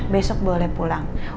besok boleh pulang